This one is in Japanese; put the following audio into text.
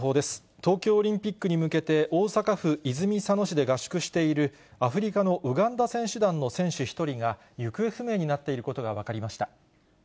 東京オリンピックに向けて、大阪府泉佐野市で合宿している、アフリカのウガンダ選手団の選手１人が、行方不明になっているこ